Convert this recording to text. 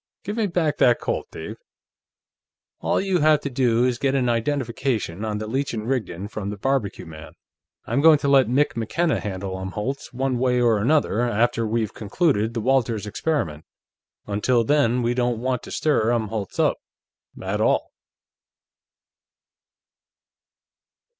Give me back that Colt, Dave. All you have to do is get an identification on the Leech & Rigdon from the barbecue man. I'm going to let Mick McKenna handle Umholtz, one way or another, after we've concluded the Walters experiment. Until then, we don't want to stir Umholtz up, at all."